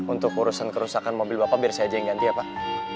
untuk urusan kerusakan mobil bapak biar saya aja yang ganti ya pak